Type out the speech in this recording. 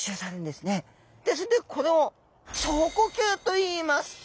でそれでこれを腸呼吸といいます。